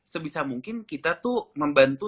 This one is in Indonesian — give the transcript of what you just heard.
sebisa mungkin kita tuh membantu